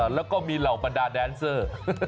แล้วก็มีเหล่าบรรดาแดนเซอร์